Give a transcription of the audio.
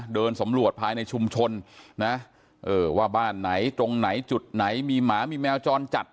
เดินสำรวจภายในชุมชนนะว่าบ้านไหนตรงไหนจุดไหนมีหมามีแมวจรจัด